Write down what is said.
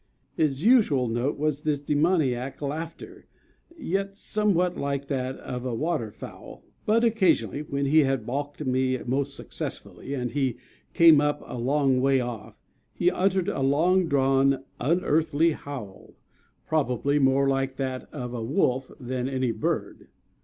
His usual note was this demoniac laughter, yet somewhat like that of a water fowl; but occasionally when he had balked me most successfully and he came up a long way off, he uttered a long drawn, unearthly howl, probably more like that of a Wolf than any bird.